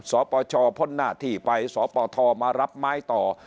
ปปชพ่นหน้าที่ไปสปทมารับไม้ต่อ